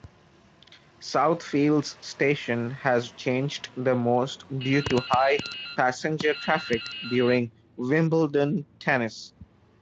Southfields Station has changed the most due to high passenger traffic during Wimbledon Tennis.